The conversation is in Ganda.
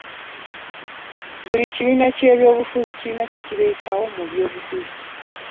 Buli kibiina kya byabufuzi kirina kye kireetawo mu byobufuzi.